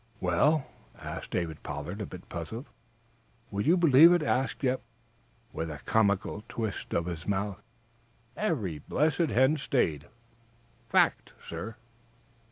'" "Well?" asked David Pollard, a bit puzzled. "Would you believe it?" asked Eph, with a comical twist of his mouth, "Every blessed hen stayed. Fact, sir!"